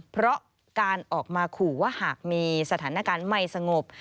เพราะการออกมาขู่ว่าหากมีสถานการณ์ไม่สงบ